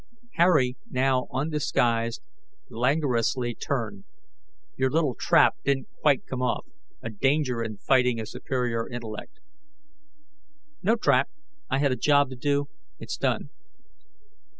Harry, now undisguised, languorously turned. "Your little trap didn't quite come off a danger in fighting a superior intellect." "No trap. I had a job to do; it's done."